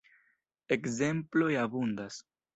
Ekzemploj abundas.